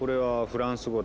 フランス語？